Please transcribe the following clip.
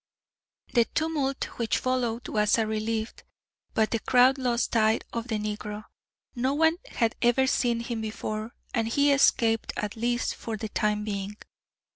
The tumult which followed was a relief, but the crowd lost sight of the negro. No one had ever seen him before, and he escaped at least for the time being.